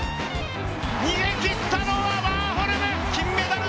逃げ切ったのはワーホルム！